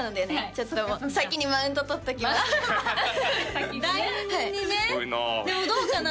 ちょっともう先にマウント取っときます代理人にねでもどうかな？